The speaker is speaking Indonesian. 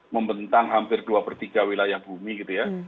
membentang hampir dua per tiga wilayah bumi gitu ya